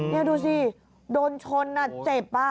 นี่ดูสิโดนชนอ่ะเจ็บป่ะ